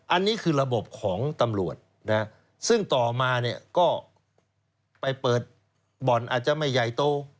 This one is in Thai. อันนี้คือระบบของตำรวจนะซึ่งต่อมาเนี่ยก็ไปเปิดบ่อนอาจจะไม่ใหญ่โต